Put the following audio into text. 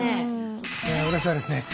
私はですね